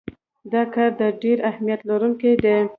دا کار د ډیر اهمیت لرونکی دی.